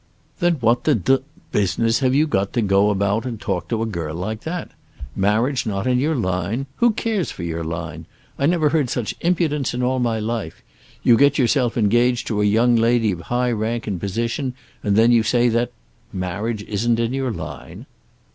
"Then what the d business have you to go about and talk to a girl like that? Marriage not in your line! Who cares for your line? I never heard such impudence in all my life. You get yourself engaged to a young lady of high rank and position and then you say that marriage isn't in your line."